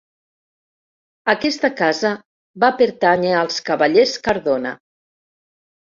Aquesta casa va pertànyer als cavallers Cardona.